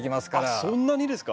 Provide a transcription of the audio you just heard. あっそんなにですか？